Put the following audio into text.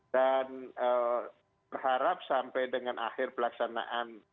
dan berharap sampai dengan akhir pelaksanaan